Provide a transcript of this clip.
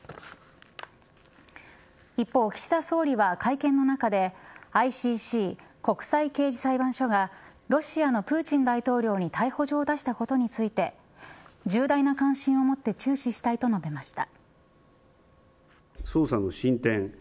一方、岸田総理は会見の中でＩＣＣ国際刑事裁判所がロシアのプーチン大統領に逮捕状を出したことについて重大な関心を持って注視したいと述べました。